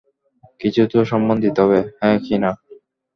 কিছু তো সম্মান দিতে হবে, হ্যাঁ কি না?